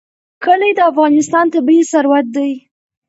کلي د افغانستان طبعي ثروت دی.